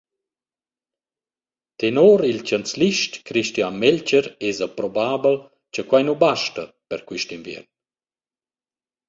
Tenor il chanzlist Christian Melcher esa probabel cha quai nu basta per quist inviern.